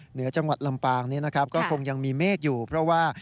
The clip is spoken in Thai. เหนือจังหวัดลำปางนี้นะครับก็คงยังมีเมฆอยู่เพราะว่า